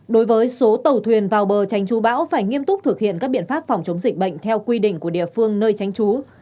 đối với số tàu thuyền vào bờ tránh chú bão phải nghiêm túc thực hiện các biện pháp phòng chống dịch bệnh theo quy định của địa phương nơi tránh trú